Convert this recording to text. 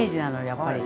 やっぱり。